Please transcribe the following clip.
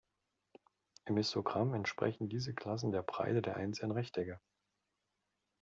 Im Histogramm entsprechen diese Klassen der Breite der einzelnen Rechtecke.